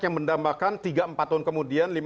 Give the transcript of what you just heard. yang mendambakan tiga empat tahun kemudian